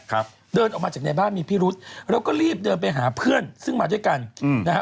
ครับเดินออกมาจากในบ้านมีพิรุษแล้วก็รีบเดินไปหาเพื่อนซึ่งมาด้วยกันอืมนะฮะ